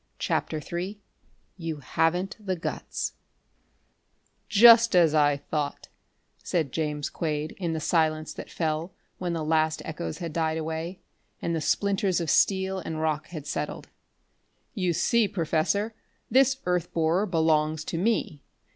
CHAPTER III "You Haven't the Guts" "Just as I thought," said James Quade in the silence that fell when the last echoes had died away, and the splinters of steel and rock had settled. "You see, Professor, this earth borer belongs to me.